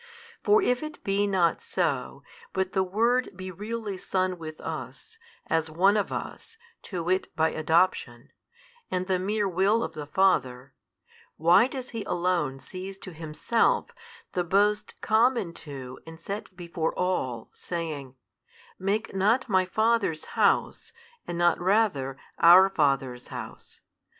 For if it be not so, but the Word be really Son with us, as one of us, to wit by adoption, and the mere Will of the Father: why does He alone seize to Himself the boast common to and set before all, saying, Make not My Father's House, and not rather, our Father's House.